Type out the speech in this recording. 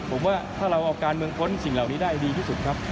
ผมว่าถ้าเราเอาการเมืองพ้นสิ่งเหล่านี้ได้ดีที่สุดครับ